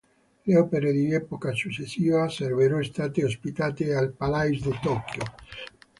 Le opere di epoca successiva sarebbero state ospitate al Palais de Tokyo.